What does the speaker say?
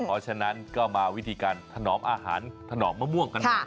เพราะฉะนั้นก็มาวิธีการถนอมอาหารถนอมมะม่วงกันหน่อย